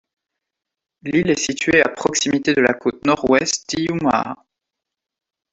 L'île est située à proximité de la côte Nord-Ouest d'Hiiumaa.